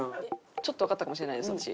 ちょっとわかったかもしれないです私。